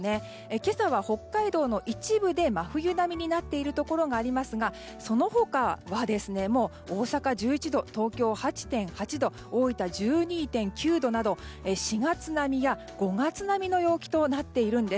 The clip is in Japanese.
今朝は北海道の一部で真冬並みになっているところがありますがその他は大阪１１度、東京８．８度大分１２．９度など４月並みや５月並みの陽気となっているんです。